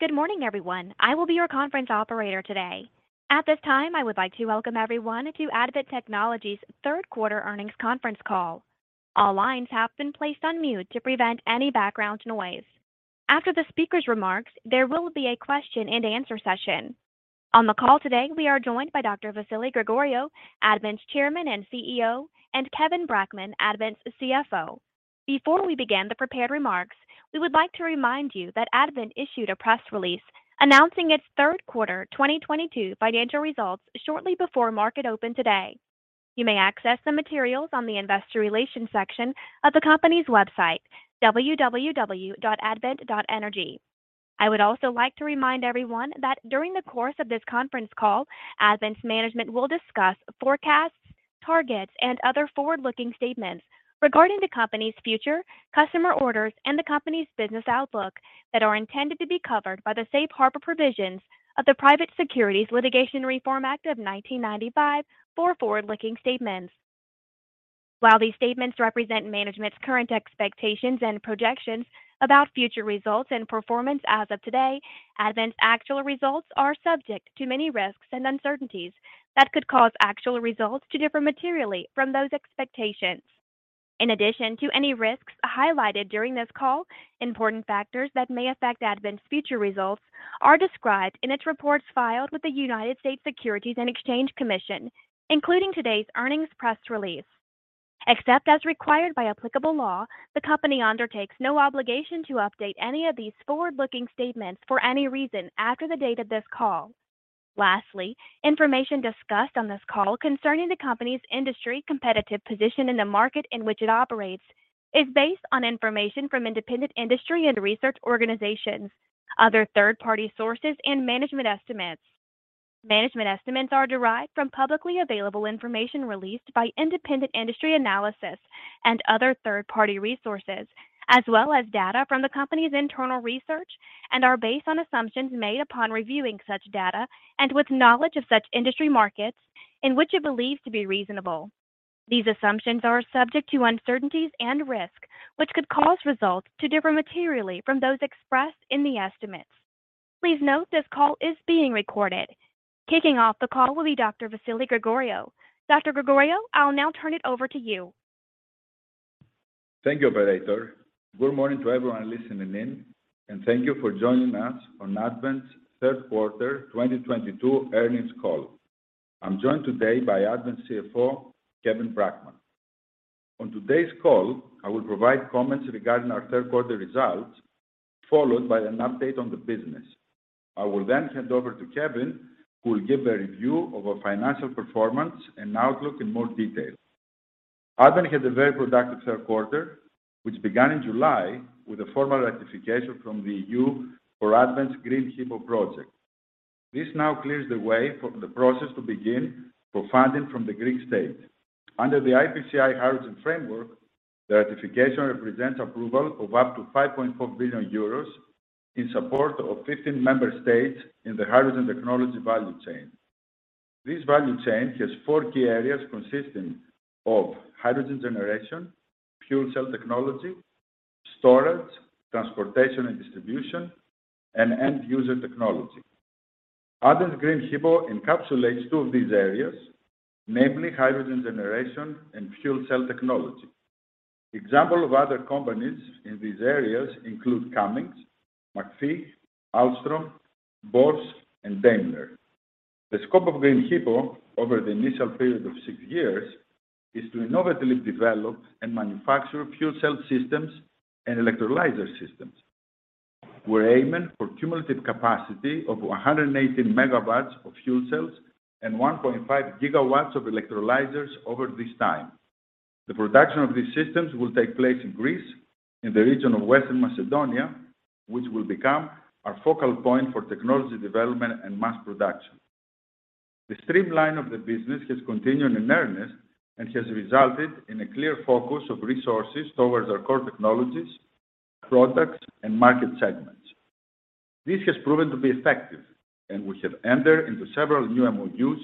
Good morning, everyone. I will be your conference operator today. At this time, I would like to welcome everyone to Advent Technologies' Third Quarter Earnings Conference Call. All lines have been placed on mute to prevent any background noise. After the speaker's remarks, there will be a question and answer session. On the call today, we are joined by Dr. Vasilis Gregoriou, Advent's Chairman and CEO, and Kevin Brackman, Advent's CFO. Before we begin the prepared remarks, we would like to remind you that Advent issued a press release announcing its 3rd quarter 2022 financial results shortly before market open today. You may access the materials on the investor relations section of the company's website, www.advent.energy. I would also like to remind everyone that during the course of this conference call, Advent's management will discuss forecasts, targets, and other forward-looking statements regarding the company's future, customer orders, and the company's business outlook that are intended to be covered by the safe harbor provisions of the Private Securities Litigation Reform Act of 1995 for forward-looking statements. While these statements represent management's current expectations and projections about future results and performance as of today, Advent's actual results are subject to many risks and uncertainties that could cause actual results to differ materially from those expectations. In addition to any risks highlighted during this call, important factors that may affect Advent's future results are described in its reports filed with the United States Securities and Exchange Commission, including today's earnings press release. Except as required by applicable law, the company undertakes no obligation to update any of these forward-looking statements for any reason after the date of this call. Lastly, information discussed on this call concerning the company's industry competitive position in the market in which it operates is based on information from independent industry and research organizations, other third-party sources, and management estimates. Management estimates are derived from publicly available information released by independent industry analysis and other third-party resources, as well as data from the company's internal research, and are based on assumptions made upon reviewing such data and with knowledge of such industry markets in which it believes to be reasonable. These assumptions are subject to uncertainties and risk, which could cause results to differ materially from those expressed in the estimates. Please note this call is being recorded. Kicking off the call will be Dr. Vasilis Gregoriou. Dr. Gregoriou, I'll now turn it over to you. Thank you, operator. Good morning to everyone listening in, and thank you for joining us on Advent's Third Quarter 2022 Earnings Call. I'm joined today by Advent CFO, Kevin Brackman. On today's call, I will provide comments regarding our 3rd quarter results, followed by an update on the business. I will then hand over to Kevin, who will give a review of our financial performance and outlook in more detail. Advent had a very productive 3rd quarter, which began in July with a formal ratification from the EU for Advent's Green HiPo project. This now clears the way for the process to begin for funding from the Greek state. Under the IPCEI hydrogen framework, the ratification represents approval of up to 5.4 billion euros in support of 15 member states in the hydrogen technology value chain. This value chain has four key areas consisting of hydrogen generation, fuel cell technology, storage, transportation, and distribution, and end-user technology. Advent's Green HiPo encapsulates two of these areas, namely hydrogen generation and fuel cell technology. Example of other companies in these areas include Cummins, McPhy Energy, Aalborg CSP, Bosch, and Daimler Truck. The scope of Green HiPo over the initial period of six years is to innovatively develop and manufacture fuel cell systems and electrolyzer systems. We're aiming for cumulative capacity of 118 MW of fuel cells and 1.5 GW of electrolyzers over this time. The production of these systems will take place in Greece in the region of Western Macedonia, which will become our focal point for technology development and mass production. The streamlining of the business has continued in earnest and has resulted in a clear focus of resources towards our core technologies, products, and market segments. This has proven to be effective, and we have entered into several new MoUs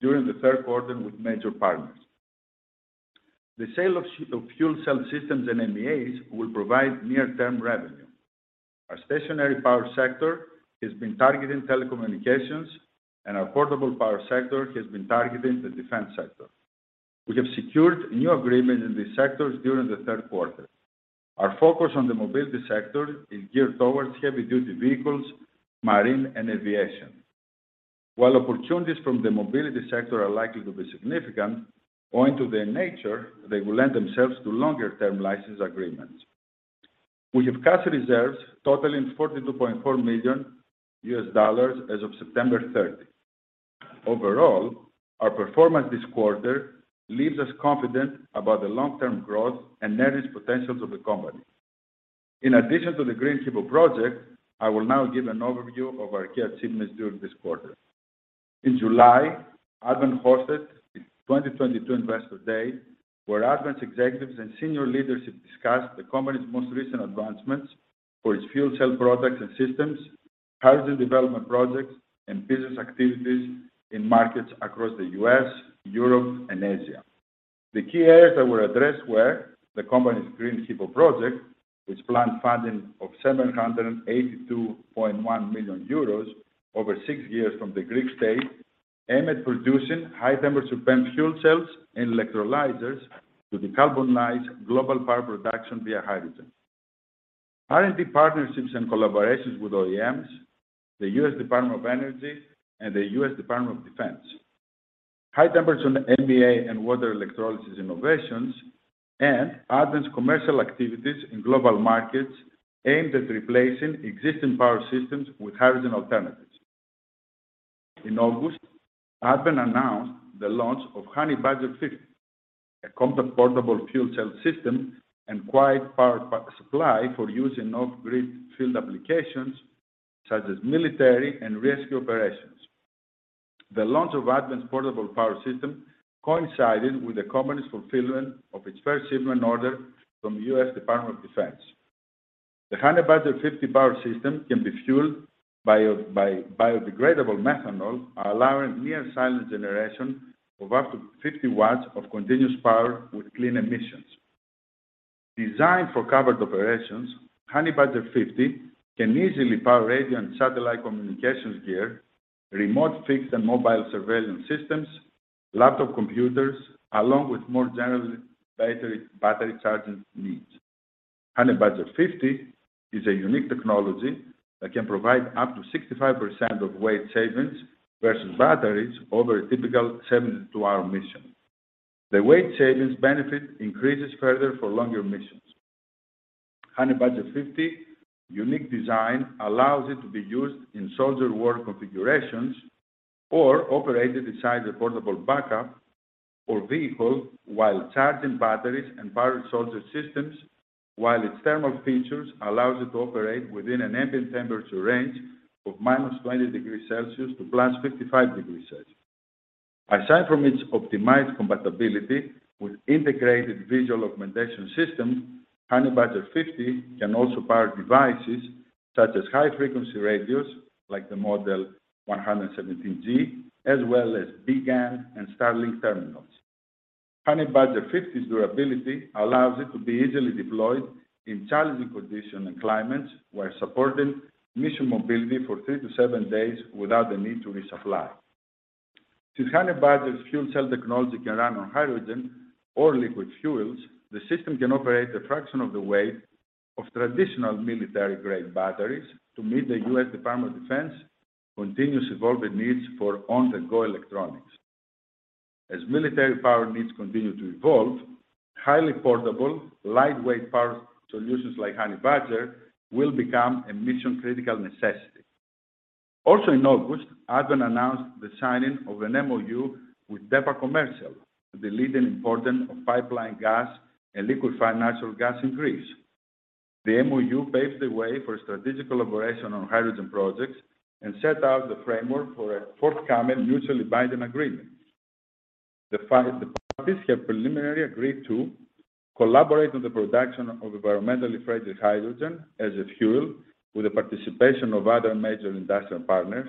during the 3rd quarter with major partners. The sale of fuel cell systems and MEAs will provide near-term revenue. Our stationary power sector has been targeting telecommunications, and our portable power sector has been targeting the defense sector. We have secured new agreements in these sectors during the 3rd quarter. Our focus on the mobility sector is geared towards heavy-duty vehicles, marine, and aviation. While opportunities from the mobility sector are likely to be significant, owing to their nature, they will lend themselves to longer-term license agreements. We have cash reserves totaling $42.4 million as of September 3rd. Overall, our performance this quarter leaves us confident about the long-term growth and earnings potentials of the company. In addition to the Green HiPo project, I will now give an overview of our key achievements during this quarter. In July, Advent hosted its 2022 Investor Day, where Advent's executives and senior leadership discussed the company's most recent advancements for its fuel cell products and systems, hydrogen development projects, and business activities in markets across the U.S., Europe, and Asia. The key areas that were addressed were the company's Green HiPo project, which planned funding of 782.1 million euros over six years from the Greek state, aimed at producing high-temperature PEM fuel cells and electrolyzers to decarbonize global power production via hydrogen, R&D partnerships and collaborations with OEMs, the U.S. Department of Energy, and the U.S. Department of Defense, high-temperature MEA and water electrolysis innovations, and Advent's commercial activities in global markets aimed at replacing existing power systems with hydrogen alternatives. In August, Advent announced the launch of Honey Badger 50, a compact portable fuel cell system and quiet power supply for use in off-grid field applications such as military and rescue operations. The launch of Advent's portable power system coincided with the company's fulfillment of its first shipment order from the U.S. Department of Defense. The Honey Badger 50 power system can be fueled by biodegradable methanol, allowing near-silent generation of up to 50 W of continuous power with clean emissions. Designed for covert operations, Honey Badger 50 can easily power radio and satellite communications gear, remote fixed and mobile surveillance systems, laptop computers, along with more general battery charging needs. Honey Badger 50 is a unique technology that can provide up to 65% weight savings versus batteries over a typical seven- to 10-hour mission. The weight savings benefit increases further for longer missions. Honey Badger 50 unique design allows it to be used in soldier-worn configurations or operated inside a portable backpack or vehicle while charging batteries and powering soldier systems, while its thermal features allows it to operate within an ambient temperature range of -20 degrees Celsius to +55 degrees Celsius. Aside from its optimized compatibility with Integrated Visual Augmentation Systems, Honey Badger 50 can also power devices such as high-frequency radios like the model AN/PRC-117G, as well as BGAN and Starlink terminals. Honey Badger 50's durability allows it to be easily deployed in challenging conditions and climates while supporting mission mobility for three to seven days without the need to resupply. Since Honey Badger's fuel cell technology can run on hydrogen or liquid fuels, the system can operate a fraction of the weight of traditional military-grade batteries to meet the U.S. Department of Defense continuous evolving needs for on-the-go electronics. As military power needs continue to evolve, highly portable, lightweight power solutions like Honey Badger will become a mission-critical necessity. Also in August, Advent announced the signing of an MoU with DEPA Commercial S.A., the leading importer of pipeline gas and liquefied natural gas in Greece. The MoU paves the way for a strategic collaboration on hydrogen projects and sets out the framework for a forthcoming mutually binding agreement. The parties have preliminarily agreed to collaborate on the production of environmentally friendly hydrogen as a fuel with the participation of other major industrial partners,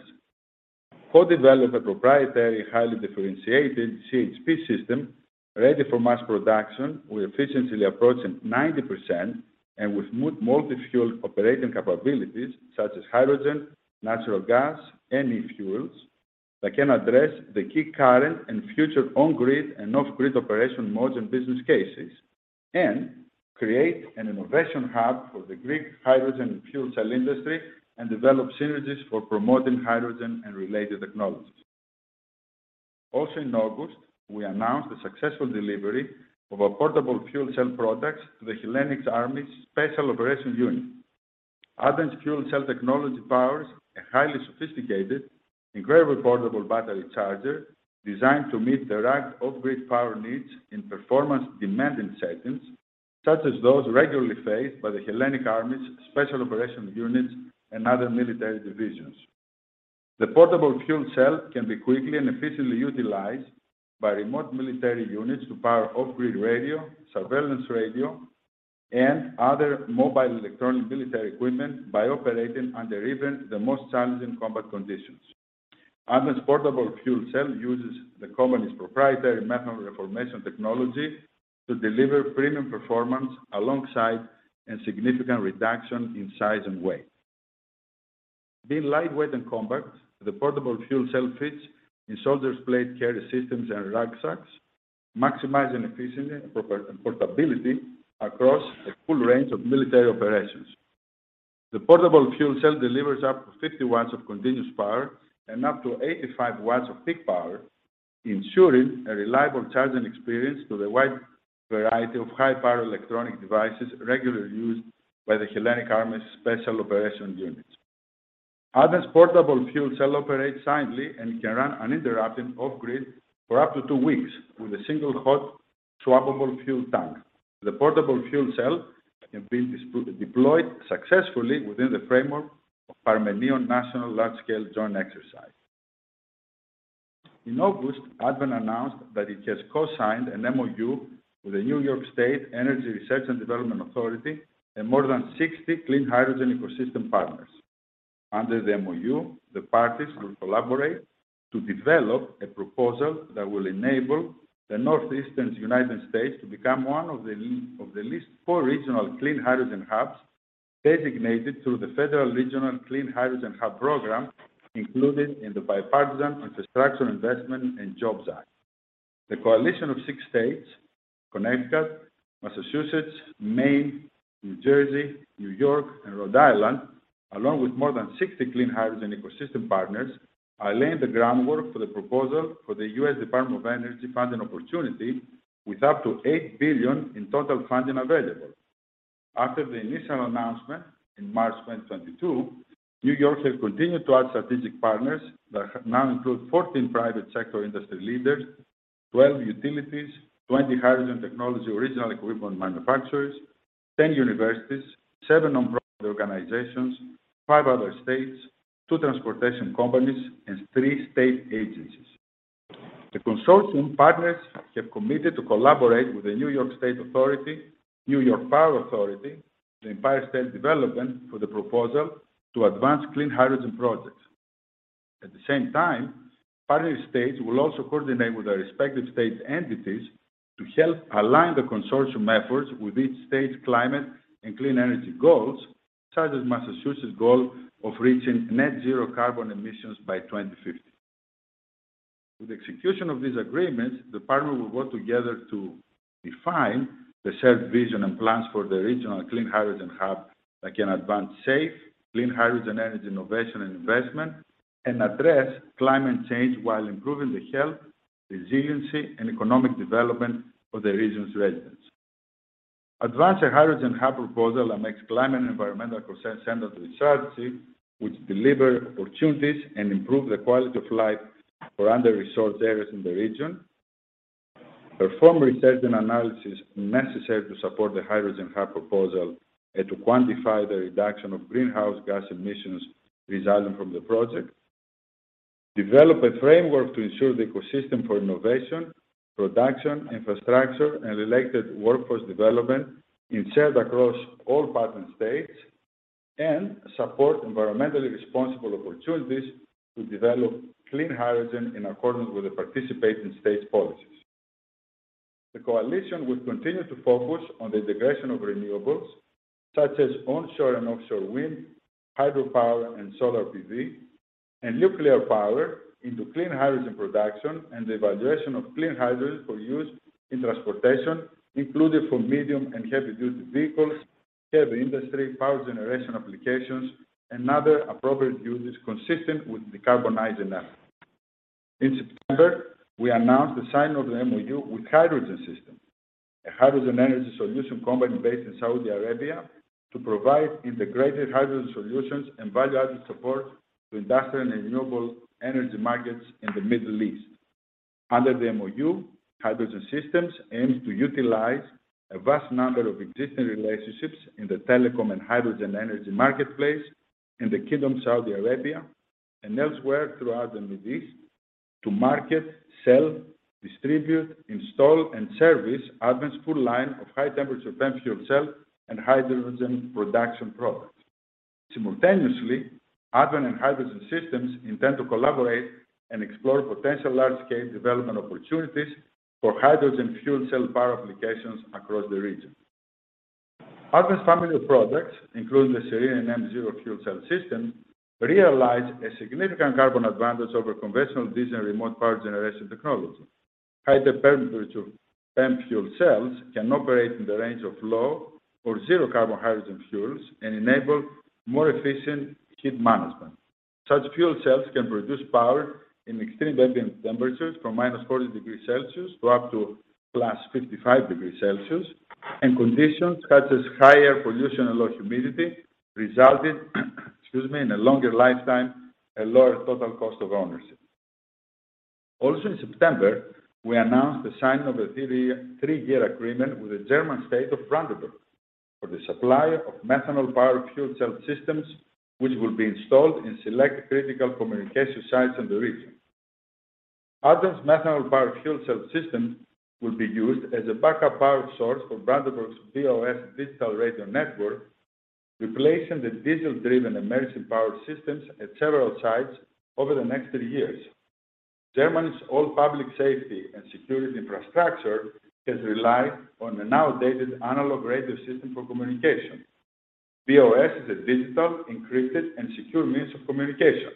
co-develop a proprietary, highly differentiated CHP system ready for mass production with efficiency approaching 90% and with multi-fuel operating capabilities such as hydrogen, natural gas, and e-fuels that can address the key current and future on-grid and off-grid operation modes and business cases, and create an innovation hub for the Greek hydrogen fuel cell industry and develop synergies for promoting hydrogen and related technologies. Also in August, we announced the successful delivery of our portable fuel cell products to the Hellenic Army's Special Operations Unit. Advent's fuel cell technology powers a highly sophisticated, incredibly portable battery charger designed to meet direct off-grid power needs in performance-demanding settings, such as those regularly faced by the Hellenic Army's Special Operations Units and other military divisions. The portable fuel cell can be quickly and efficiently utilized by remote military units to power off-grid radio, surveillance radio, and other mobile electronic military equipment by operating under even the most challenging combat conditions. Advent's portable fuel cell uses the company's proprietary methanol reformation technology to deliver premium performance alongside a significant reduction in size and weight. Being lightweight and compact, the portable fuel cell fits in soldiers' plate carry systems and rucksacks, maximizing efficiency and portability across a full range of military operations. The portable fuel cell delivers up to 50 W of continuous power and up to 85 W of peak power, ensuring a reliable charging experience to the wide variety of high-power electronic devices regularly used by the Hellenic Army's Special Operations Units. Advent's portable fuel cell operates silently and can run uninterrupted off-grid for up to two weeks with a single hot swappable fuel tank. The portable fuel cell can be deployed successfully within the framework of Parmenion National Large-Scale Joint Exercise. In August, Advent announced that it has co-signed an MoU with the New York State Energy Research and Development Authority and more than 60 clean hydrogen ecosystem partners. Under the MoU, the parties will collaborate to develop a proposal that will enable the Northeastern United States to become one of the least four regional clean hydrogen hubs designated through the Federal Regional Clean Hydrogen Hub program included in the Bipartisan Infrastructure Investment and Jobs Act. The coalition of six states: Connecticut, Massachusetts, Maine, New Jersey, New York and Rhode Island, along with more than 60 clean hydrogen ecosystem partners, are laying the groundwork for the proposal for the U.S. Department of Energy funding opportunity with up to $8 billion in total funding available. After the initial announcement in March 2022, New York has continued to add strategic partners that now include 14 private sector industry leaders, 12 utilities, 20 hydrogen technology original equipment manufacturers, 10 universities, seven nonprofit organizations, five other states, two transportation companies and three state agencies. The consortium partners have committed to collaborate with the New York State Energy Research and Development Authority, New York Power Authority, the Empire State Development for the proposal to advance clean hydrogen projects. At the same time, partner states will also coordinate with their respective state entities to help align the consortium efforts with each state's climate and clean energy goals, such as Massachusetts' goal of reaching net zero carbon emissions by 2050. With execution of this agreement, the partners will work together to define the shared vision and plans for the regional clean hydrogen hub that can advance safe, clean hydrogen energy innovation and investment and address climate change while improving the health, resiliency and economic development of the region's residents. Advance our Hydrogen Hub proposal and makes climate and environmental concerns center to the strategy which deliver opportunities and improve the quality of life for under-resourced areas in the region. Perform research and analysis necessary to support the Hydrogen Hub proposal and to quantify the reduction of greenhouse gas emissions resulting from the project. Develop a framework to ensure the ecosystem for innovation, production, infrastructure and related workforce development is shared across all partner states. Support environmentally responsible opportunities to develop clean hydrogen in accordance with the participating states' policies. The coalition will continue to focus on the integration of renewables such as onshore and offshore wind, hydropower and solar PV, and nuclear power into clean hydrogen production and the evaluation of clean hydrogen for use in transportation, including for medium and heavy-duty vehicles, heavy industry, power generation applications and other appropriate uses consistent with decarbonizing efforts. In September, we announced the signing of the MoU with Hydrogen Systems, a hydrogen energy solution company based in Saudi Arabia, to provide integrated hydrogen solutions and value-added support to industrial and renewable energy markets in the Middle East. Under the MoU, Hydrogen Systems aims to utilize a vast number of existing relationships in the telecom and hydrogen energy marketplace in the Kingdom of Saudi Arabia and elsewhere throughout the Middle East to market, sell, distribute, install and service Advent's full line of high temperature PEM fuel cell and hydrogen production products. Simultaneously, Advent and Hydrogen Systems intend to collaborate and explore potential large-scale development opportunities for hydrogen fuel cell power applications across the region. Advent's family of products, including the Serene and M-ZERØ fuel cell systems, realize a significant carbon advantage over conventional diesel remote power generation technology. High-temperature PEM fuel cells can operate in the range of low or zero carbon hydrogen fuels and enable more efficient heat management. Such fuel cells can produce power in extreme ambient temperatures from -40 degrees Celsius to +55 degrees Celsius and conditions such as higher pollution and low humidity, resulting in a longer lifetime and lower total cost of ownership. Also in September, we announced the signing of a three-year agreement with the German state of Brandenburg for the supply of methanol powered fuel cell systems, which will be installed in select critical communication sites in the region. Advent's methanol powered fuel cell systems will be used as a backup power source for Brandenburg's BOS digital radio network, replacing the diesel-driven emergency power systems at several sites over the next three years. Germany's overall public safety and security infrastructure has relied on an outdated analog radio system for communication. BOS is a digital, encrypted and secure means of communication.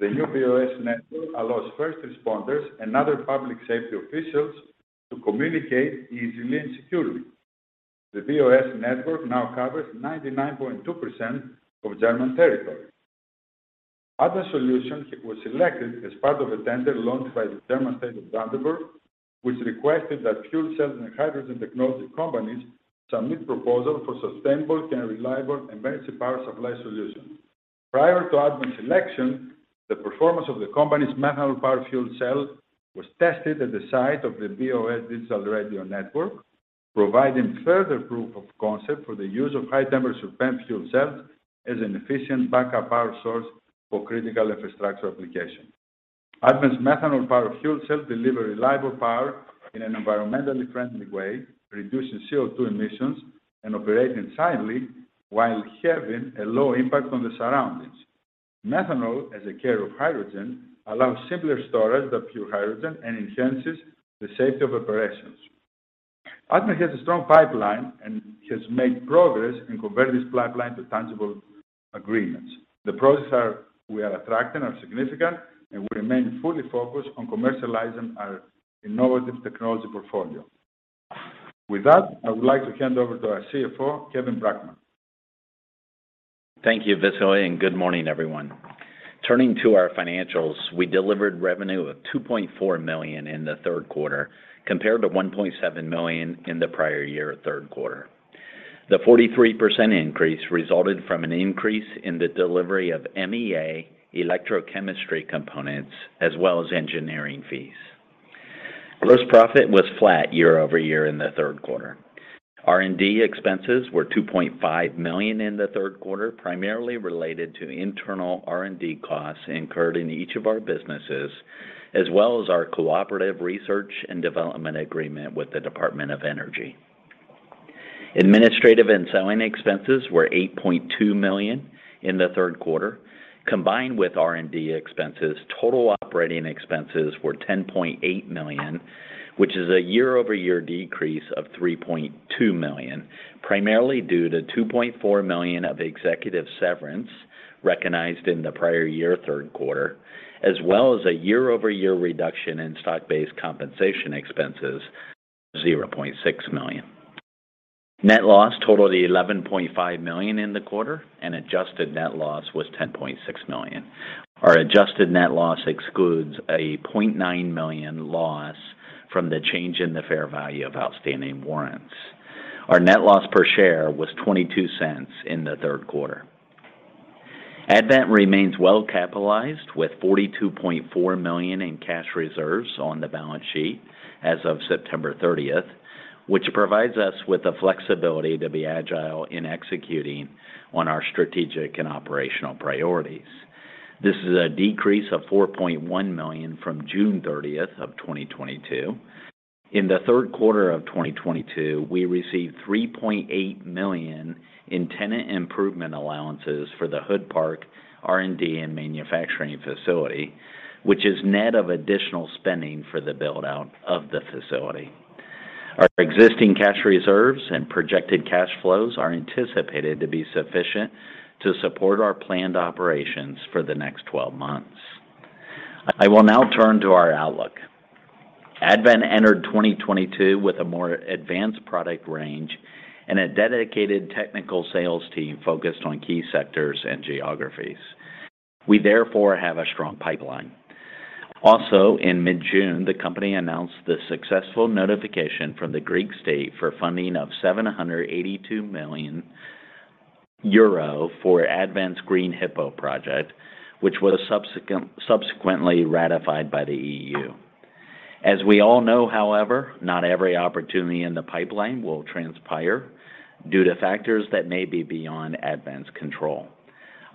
The new BOS network allows first responders and other public safety officials to communicate easily and securely. The BOS network now covers 99.2% of German territory. Advent's solution was selected as part of a tender launched by the German state of Brandenburg, which requested that fuel cells and hydrogen technology companies submit proposals for sustainable and reliable emergency power supply solutions. Prior to Advent's selection, the performance of the company's methanol powered fuel cell was tested at the site of the BOS digital radio network, providing further proof of concept for the use of high temperature PEM fuel cells as an efficient backup power source for critical infrastructure applications. Advent's methanol power fuel cell deliver reliable power in an environmentally friendly way, reducing CO₂ emissions and operating silently while having a low impact on the surroundings. Methanol, as a carrier of hydrogen, allows simpler storage than pure hydrogen and enhances the safety of operations. Advent has a strong pipeline and has made progress in converting this pipeline to tangible agreements. The projects we are attracting are significant, and we remain fully focused on commercializing our innovative technology portfolio. With that, I would like to hand over to our CFO, Kevin Brackman. Thank you, Vasilis, and good morning, everyone. Turning to our financials, we delivered revenue of $2.4 million in the 3rd quarter compared to $1.7 million in the prior year 3rd quarter. The 43% increase resulted from an increase in the delivery of MEA electrochemistry components as well as engineering fees. Gross profit was flat year-over-year in the 3rd quarter. R&D expenses were $2.5 million in the 3rd quarter, primarily related to internal R&D costs incurred in each of our businesses, as well as our cooperative research and development agreement with the Department of Energy. Administrative and selling expenses were $8.2 million in the 3rd quarter. Combined with R&D expenses, total operating expenses were $10.8 million, which is a year-over-year decrease of $3.2 million, primarily due to $2.4 million of executive severance recognized in the prior year 3rd quarter, as well as a year-over-year reduction in stock-based compensation expenses of $0.6 million. Net loss totaled $11.5 million in the quarter, and adjusted net loss was $10.6 million. Our adjusted net loss excludes a $0.9 million loss from the change in the fair value of outstanding warrants. Our net loss per share was $0.22 in the 3rd quarter. Advent remains well capitalized, with $42.4 million in cash reserves on the balance sheet as of September 30th, which provides us with the flexibility to be agile in executing on our strategic and operational priorities. This is a decrease of $4.1 million from June 30th, 2022. In the 3rd quarter of 2022, we received $3.8 million in tenant improvement allowances for the Hood Park R&D and manufacturing facility, which is net of additional spending for the build-out of the facility. Our existing cash reserves and projected cash flows are anticipated to be sufficient to support our planned operations for the next 12 months. I will now turn to our outlook. Advent entered 2022 with a more advanced product range and a dedicated technical sales team focused on key sectors and geographies. We therefore have a strong pipeline. Also, in mid-June, the company announced the successful notification from the Greek state for funding of 782 million euro for Advent's Green HiPo project, which was subsequently ratified by the EU. As we all know, however, not every opportunity in the pipeline will transpire due to factors that may be beyond Advent's control.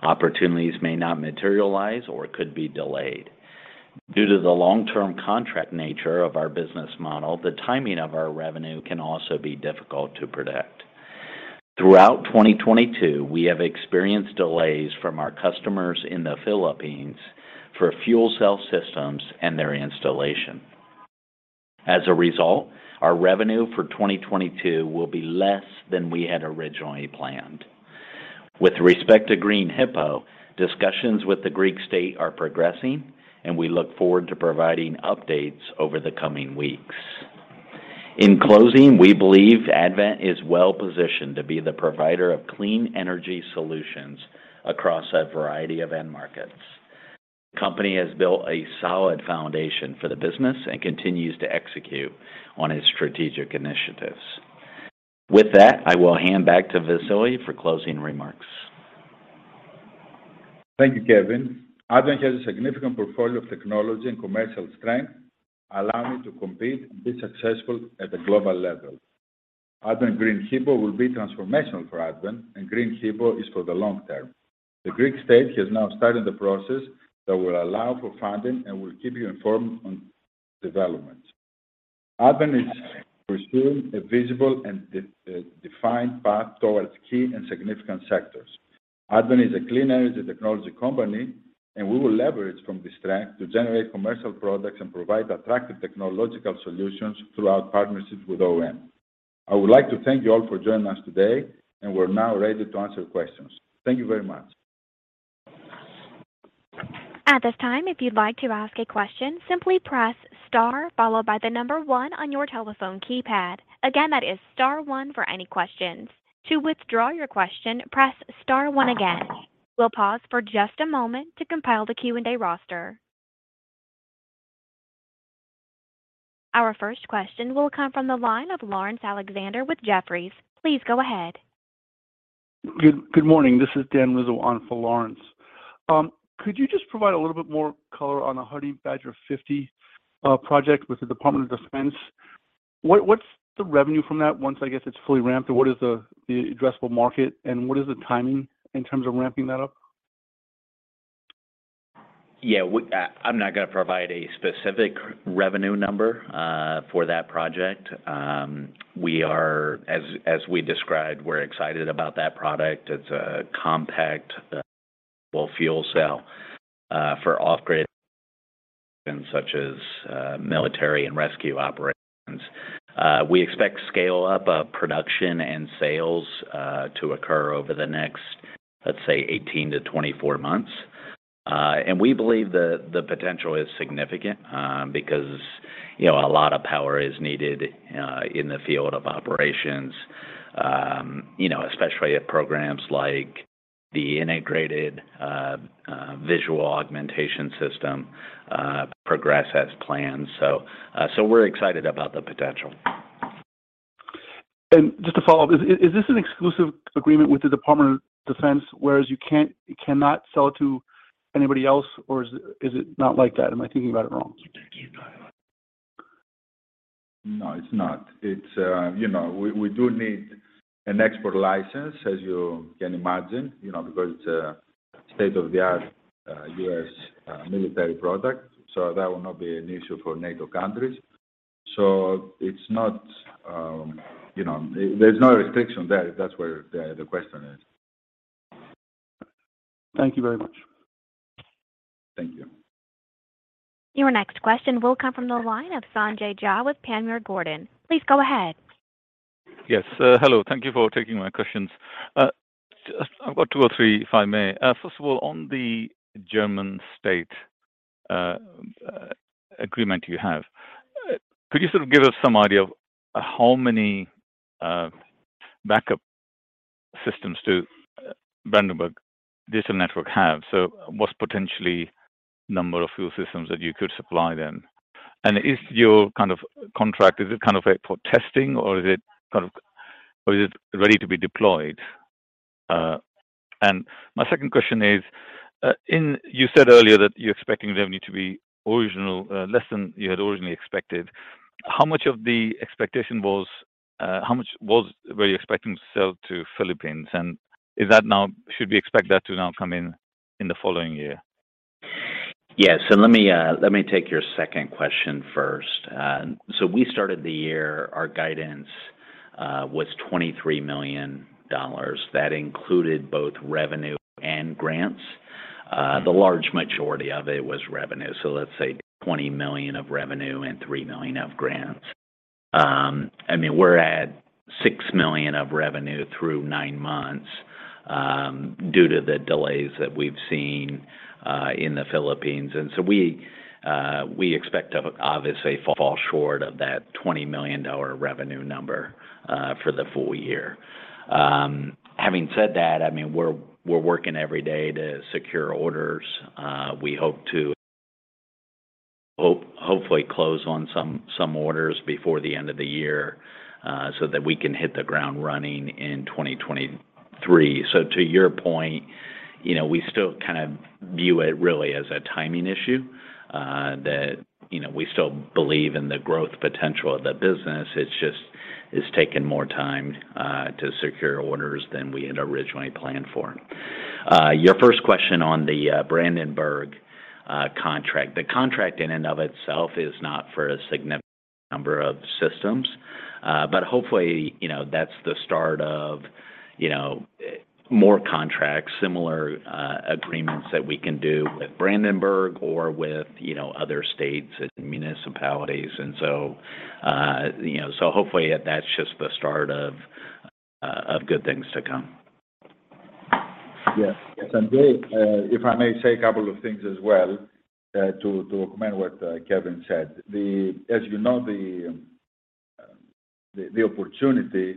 Opportunities may not materialize or could be delayed. Due to the long-term contract nature of our business model, the timing of our revenue can also be difficult to predict. Throughout 2022, we have experienced delays from our customers in the Philippines for fuel cell systems and their installation. As a result, our revenue for 2022 will be less than we had originally planned. With respect to Green HiPo, discussions with the Greek state are progressing, and we look forward to providing updates over the coming weeks. In closing, we believe Advent is well-positioned to be the provider of clean energy solutions across a variety of end markets. The company has built a solid foundation for the business and continues to execute on its strategic initiatives. With that, I will hand back to Vasilis for closing remarks. Thank you, Kevin. Advent has a significant portfolio of technology and commercial strength, allowing to compete and be successful at the global level. Advent Green HiPo will be transformational for Advent, and Green HiPo is for the long term. The Greek state has now started the process that will allow for funding, and we'll keep you informed on developments. Advent is pursuing a visible and defined path towards key and significant sectors. Advent is a clean energy technology company, and we will leverage from this strength to generate commercial products and provide attractive technological solutions through our partnerships with OEM. I would like to thank you all for joining us today, and we're now ready to answer questions. Thank you very much. At this time, if you'd like to ask a question, simply press star followed by the number one on your telephone keypad. Again, that is star one for any questions. To withdraw your question, press star one again. We'll pause for just a moment to compile the Q&A roster. Our first question will come from the line of Laurence Alexander with Jefferies. Please go ahead. Good morning. This is Dan Rizzo on for Laurence. Could you just provide a little bit more color on the Honey Badger 50 project with the Department of Defense? What's the revenue from that once I guess it's fully ramped? What is the addressable market, and what is the timing in terms of ramping that up? Yeah. I'm not gonna provide a specific revenue number for that project. As we described, we're excited about that product. It's a compact fuel cell for off-grid solutions such as military and rescue operations. We expect scale-up of production and sales to occur over the next, let's say, 18-24 months. We believe the potential is significant because, you know, a lot of power is needed in the field of operations, you know, especially if programs like the Integrated Visual Augmentation System progress as planned. We're excited about the potential. Just to follow up, is this an exclusive agreement with the U.S. Department of Defense, whereas you cannot sell to anybody else, or is it not like that? Am I thinking about it wrong? No, it's not. It's. You know, we do need an export license, as you can imagine. You know, because it's a state-of-the-art U.S. military product. That will not be an issue for NATO countries. It's not. There's no restriction there if that's where the question is. Thank you very much. Thank you. Your next question will come from the line of Sanjay Jha with Panmure Gordon. Please go ahead. Yes. Hello. Thank you for taking my questions. Just, I've got two or three, if I may. First of all, on the German state agreement you have, could you sort of give us some idea of how many backup systems the Brandenburg digital network have? What's the potential number of fuel systems that you could supply them? Is your kind of contract kind of for testing or is it ready to be deployed? My second question is, you said earlier that you're expecting revenue to be less than you had originally expected. How much of the expectation were you expecting to sell to the Philippines? Should we expect that to now come in in the following year? Yeah. So let me take your second question first. So we started the year, our guidance was $23 million. That included both revenue and grants. The large majority of it was revenue. So let's say $20 million of revenue and $3 million of grants. I mean, we're at $6 million of revenue through nine months, due to the delays that we've seen in the Philippines. We expect to obviously fall short of that $20 million revenue number, for the full year. Having said that, I mean, we're working every day to secure orders. We hope to hopefully close on some orders before the end of the year, so that we can hit the ground running in 2023. To your point, you know, we still kind of view it really as a timing issue, that, you know, we still believe in the growth potential of the business. It's just taking more time to secure orders than we had originally planned for. Your first question on the Brandenburg contract. The contract in and of itself is not for a significant number of systems. But hopefully, you know, that's the start of, you know, more contracts, similar agreements that we can do with Brandenburg or with, you know, other states and municipalities. You know, so hopefully that's just the start of good things to come. Yes. Sanjay, if I may say a couple of things as well, to comment what Kevin said. As you know, the opportunity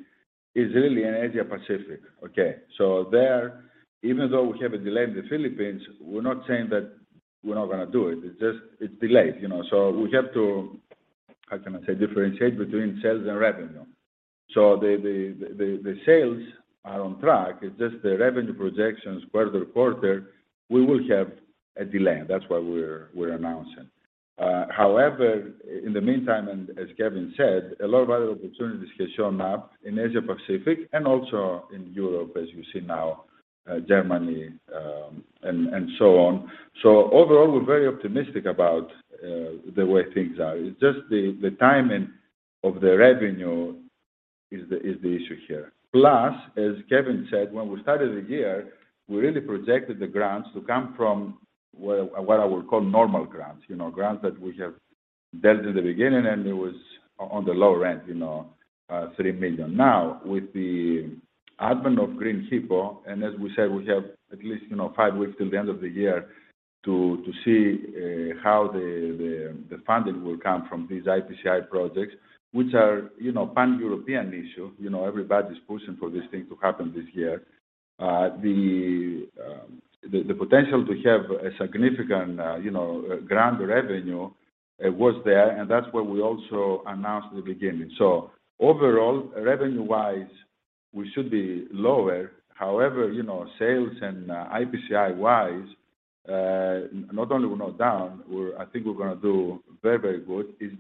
is really in Asia-Pacific, okay? There, even though we have a delay in the Philippines, we're not saying that we're not gonna do it. It's just it's delayed, you know. We have to, how can I say, differentiate between sales and revenue. The sales are on track. It's just the revenue projections quarter-to-quarter, we will have a delay. That's why we're announcing. However, in the meantime, and as Kevin said, a lot of other opportunities have shown up in Asia-Pacific and also in Europe, as you see now, Germany, and so on. Overall, we're very optimistic about the way things are. It's just the timing of the revenue is the issue here. Plus, as Kevin said, when we started the year, we really projected the grants to come from what I would call normal grants. You know, grants that we have dealt in the beginning, and it was on the low end, you know, $3 million. Now, with the advent of Green HiPo, and as we said, we have at least, you know, five weeks till the end of the year to see how the funding will come from these IPCEI projects, which are, you know, pan-European issue. You know, everybody's pushing for this thing to happen this year. The potential to have a significant, you know, grant revenue, was there, and that's what we also announced at the beginning. Overall, revenue-wise, we should be lower. However, you know, sales and IPCEI-wise, not only we're not down, I think we're gonna do very, very good. It's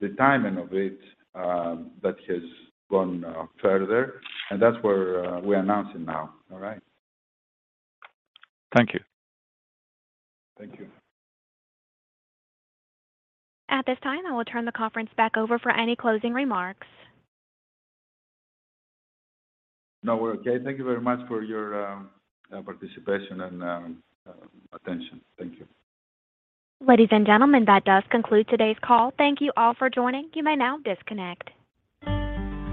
just the timing of it that has gone further, and that's where we're announcing now. All right? Thank you. Thank you. At this time, I will turn the conference back over for any closing remarks. No, we're okay. Thank you very much for your participation and attention. Thank you. Ladies and gentlemen, that does conclude today's call. Thank you all for joining. You may now disconnect.